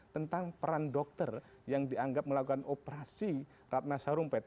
tentang peran dokter yang dianggap melakukan operasi ratna sarumpet